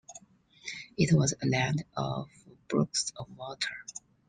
It was "a land of brooks of water".